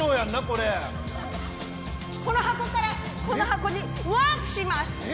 これこの箱からこの箱にワープしますえっ！？